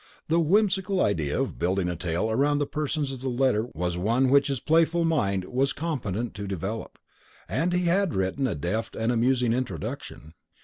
The whimsical idea of building a tale around the persons of the letter was one which his playful mind was competent to develop, and he had written a deft and amusing introduction.